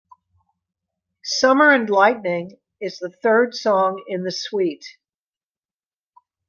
"Summer and Lightning" is the third song in the suite.